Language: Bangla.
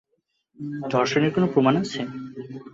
ধর্ষণের কোনো প্রমাণ আছে?